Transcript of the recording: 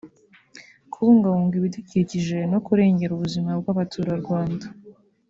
kubungabunga ibidukikije no kurengera ubuzima bw’Abaturarwanda